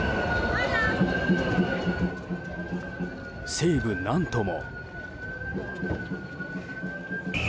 西部ナントも。